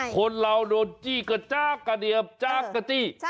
คนเราโดนจี้กระจากกระเดียมจากกระจี้